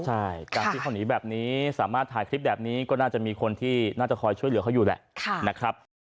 ใช่การที่เขาหนีแบบนี้สามารถถ่ายคลิปแบบนี้ก็น่าจะมีคนที่น่าจะคอยช่วยเหลือเขาอยู่แหละนะครับ